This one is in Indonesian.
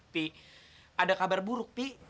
pi ada kabar buruk pik